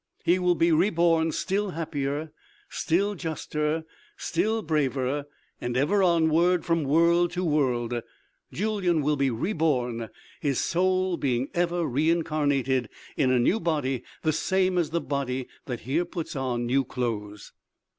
He will be re born still happier, still juster, still braver, and ever onward, from world to world, Julyan will be re born, his soul being ever re incarnated in a new body the same as the body that here puts on new clothes."